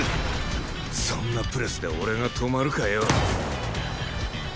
そんなプレスで俺が止まるかよ！